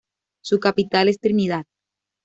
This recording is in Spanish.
Su capital es Trinidad.